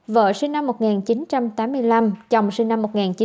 vợ sinh năm một nghìn chín trăm tám mươi năm chồng sinh năm một nghìn chín trăm chín mươi